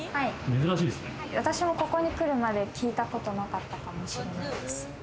私も、ここに来るまで聞いたことなかったかもしれないです。